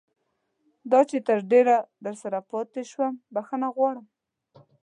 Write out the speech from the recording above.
دا چې تر ډېره درسره پاتې شوم بښنه غواړم.